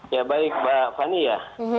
ya baik mbak fani ya